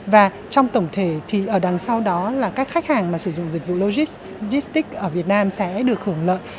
và trong tổng thể thì ở đằng sau đó là các khách hàng mà sử dụng dịch vụ logistics ở việt nam sẽ được hưởng lợi